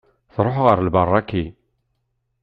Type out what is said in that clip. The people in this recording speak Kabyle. Tṛuḥ ɣer Ibaraki.